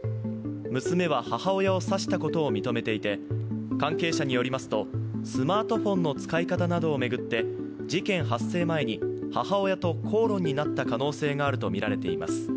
娘は母親を刺したことを認めていて、関係者によりますと、スマートフォンの使い方などを巡って事件発生前に母親と口論になった可能性があるとみられています。